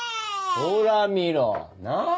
ほら見ろなっ。